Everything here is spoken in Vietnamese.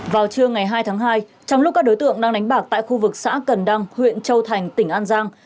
vào trưa ngày hai tháng hai trong lúc các đối tượng đang đánh bạc tại khu vực xã cần đăng huyện châu thành tỉnh an giang